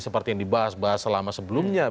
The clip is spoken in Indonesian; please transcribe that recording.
seperti yang dibahas bahas selama sebelumnya